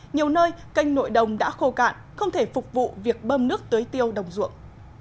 nhiều nơi kênh nội đồng đã khô cạn không thể phục vụ việc bơm nước tưới tiêu đồng ruộng